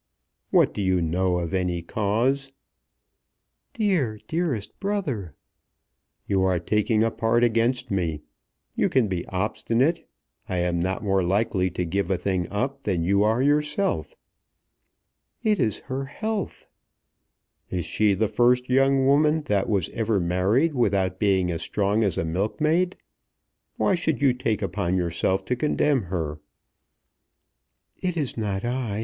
"What do you know of any cause?" "Dear, dearest brother." "You are taking a part against me. You can be obstinate. I am not more likely to give a thing up than you are yourself." "It is her health." "Is she the first young woman that was ever married without being as strong as a milkmaid? Why should you take upon yourself to condemn her?" "It is not I.